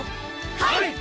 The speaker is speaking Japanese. はい！